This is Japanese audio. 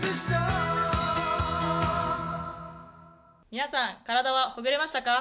皆さん、体はほぐれましたか？